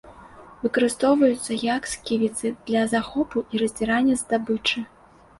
Выкарыстоўваюцца як сківіцы для захопу і раздзірання здабычы.